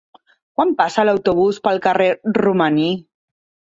Quan passa l'autobús pel carrer Romaní?